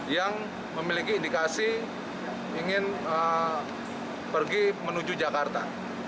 yang memiliki indikasi ingin pergi menuju jakarta